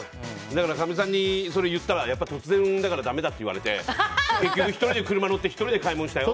だからかみさんにそれを言ったら突然だからだめって言われて結局１人で車乗って１人で買い物したよ。